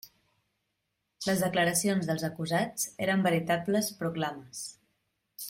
Les declaracions dels acusats eren veritables proclames.